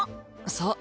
そう。